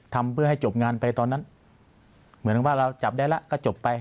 ทำเพื่อให้จบงานไปตอนนั้นเหมือนว่าเราจับได้แล้วก็จบไป